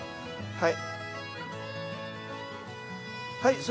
はい。